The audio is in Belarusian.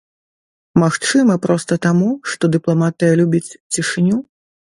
Магчыма, проста таму, што дыпламатыя любіць цішыню?